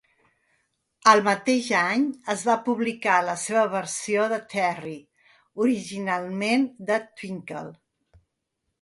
El mateix any es va publicar la seva versió de "Terry", originalment de Twinkle.